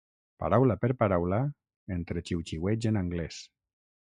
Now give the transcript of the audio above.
Paraula per paraula, entre xiuxiueigs en anglès.